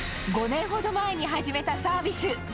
５年ほど前に始めたサービス。